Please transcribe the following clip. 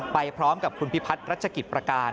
ไปพร้อมกับคุณพิพัฒน์รัชกิจประการ